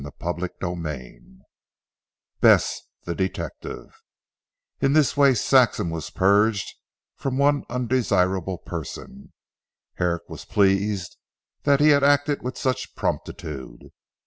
CHAPTER XVI BESS THE DETECTIVE In this way Saxham was purged of one undesirable person. Herrick was pleased that he had acted with such promptitude.